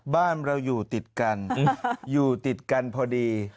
บ้านเราอยู่ติดกันอยู่ติดกันพอดี